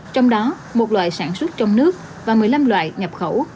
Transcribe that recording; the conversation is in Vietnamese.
trong đó một loại sản xuất trong nước và một mươi năm loại nhập khẩu